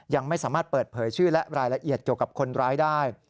ยังไม่สามารถเปิดเผยชื่อและรายละเอียดเกี่ยวกับคนร้ายได้